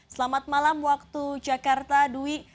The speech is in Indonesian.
selamat malam waktu jakarta dwi